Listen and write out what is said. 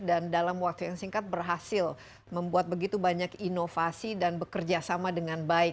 dan dalam waktu yang singkat berhasil membuat begitu banyak inovasi dan bekerja sama dengan baik ya selama ini